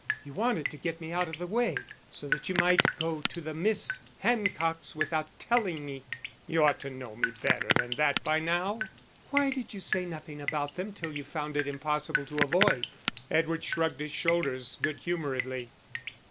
You wanted to get me out of the way, so that you might go to the Miss Hancocks without telling me." "You ought to know me better than that by now." "Why did you say nothing about them till you found it impossible to avoid." Edward shrugged his shoulders good humouredly.